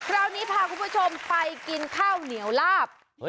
คราวนี้พาคุณผู้ชมไปกินข้าวเหนียวลาบ